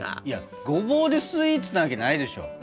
いやごぼうでスイーツなわけないでしょ？